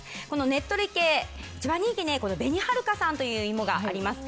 ねっとり系、１番人気は紅はるかさんという芋があります。